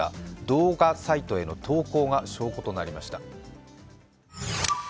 動画サイトへの投稿が証拠となりました。